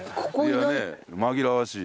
紛らわしい。